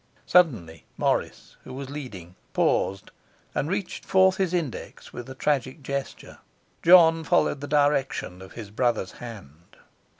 Suddenly Morris, who was leading, paused and reached forth his index with a tragic gesture. John followed the direction of his brother's hand.